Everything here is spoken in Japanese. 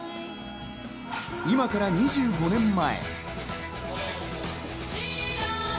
今から２５年前。